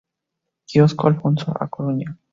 Kiosko Alfonso, A Coruña.